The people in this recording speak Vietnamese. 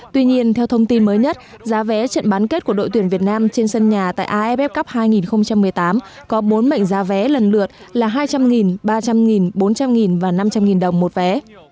tuy nhiên theo thông tin mới nhất giá vé trận bán kết của đội tuyển việt nam trên sân nhà tại aff cup hai nghìn một mươi tám có bốn mệnh giá vé lần lượt là hai trăm linh ba trăm linh bốn trăm linh và năm trăm linh đồng một vé